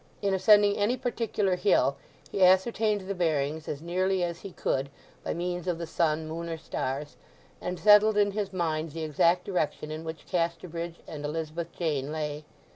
In ascending any particular hill he ascertained the bearings as nearly as he could by means of the sun, moon, or stars, and settled in his mind the exact direction in which Casterbridge and Elizabeth Jane lay.